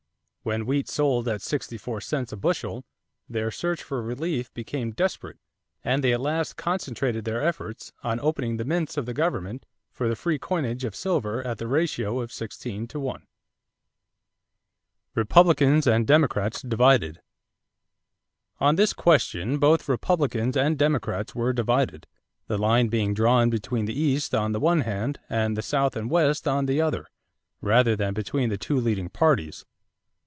When wheat sold at sixty four cents a bushel, their search for relief became desperate, and they at last concentrated their efforts on opening the mints of the government for the free coinage of silver at the ratio of sixteen to one. =Republicans and Democrats Divided.= On this question both Republicans and Democrats were divided, the line being drawn between the East on the one hand and the South and West on the other, rather than between the two leading parties.